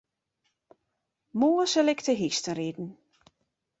Moarn sil ik te hynsteriden.